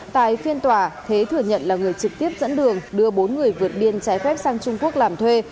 tại phiên tòa thế thừa nhận là người trực tiếp dẫn đường đưa bốn người vượt biên trái phép sang trung quốc làm thuê